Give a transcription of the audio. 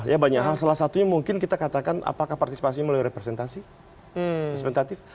ya banyak hal salah satunya mungkin kita katakan apakah partisipasi melalui representasi